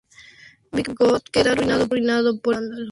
Bigod queda arruinado por este escándalo.